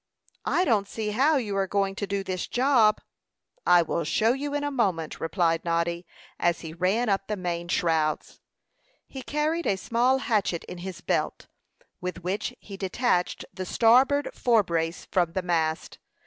"I don't see how you are going to do this job." "I will show you in a moment," replied Noddy, as he ran up the main shrouds. He carried a small hatchet in his belt, with which he detached the starboard fore brace from the mast.